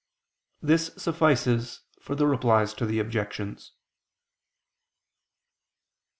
This suffices for the Replies to the Objections.